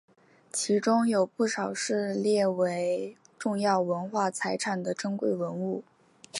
其中有不少是列为重要文化财产的珍贵文物。